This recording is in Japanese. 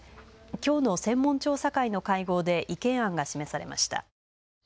きょうの専門調査会の会合で意見案が示されました。